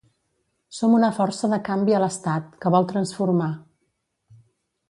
Som una força de canvi a l’estat, que vol transformar.